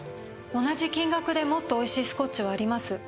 同じ金額でもっと美味しいスコッチはあります。